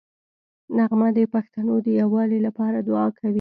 نغمه د پښتنو د یووالي لپاره دوعا کوي